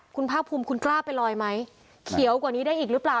คุณภาคภูมิคุณกล้าไปลอยไหมเขียวกว่านี้ได้อีกหรือเปล่า